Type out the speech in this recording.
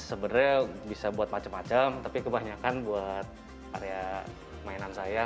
sebenarnya bisa buat macam macam tapi kebanyakan buat area mainan saya